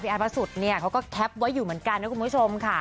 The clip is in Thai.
แอดพระสุทธิ์เนี่ยเขาก็แคปไว้อยู่เหมือนกันนะคุณผู้ชมค่ะ